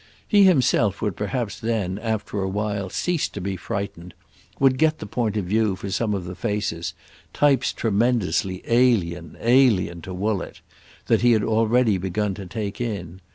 He himself would perhaps then after a while cease to be frightened, would get the point of view for some of the faces—types tremendously alien, alien to Woollett—that he had already begun to take in.